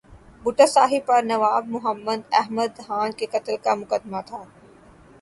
بھٹو صاحب پر نواب محمد احمد خان کے قتل کا مقدمہ تھا۔